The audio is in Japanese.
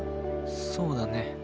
そうだね。